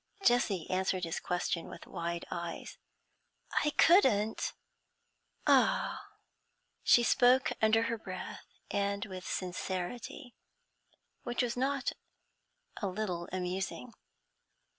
Jessie answered his question with wide eyes. 'I couldn't? Ah!' She spoke under her breath, and with sincerity which was not a little amusing.